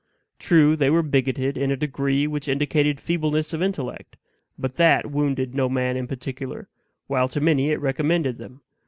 True, they were bigoted in a degree which indicated feebleness of intellect; but THAT wounded no man in particular, while to many it recommended them.